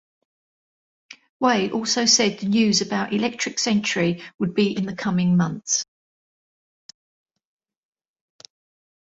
Way also said the news about Electric Century would be in the coming months.